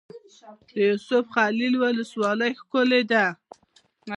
د یوسف خیل ولسوالۍ ښکلې ده